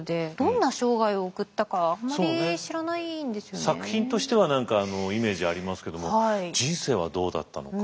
ということで作品としては何かイメージありますけども人生はどうだったのか。